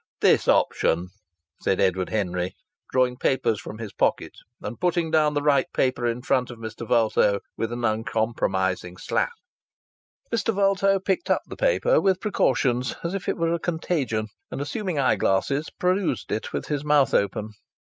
"This option!" said Edward Henry, drawing papers from his pocket, and putting down the right paper in front of Mr. Vulto with an uncompromising slap. Mr. Vulto picked up the paper with precautions, as if it were a contagion, and, assuming eyeglasses, perused it with his mouth open.